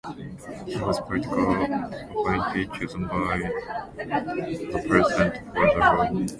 He was a political appointee, chosen by the President for the role.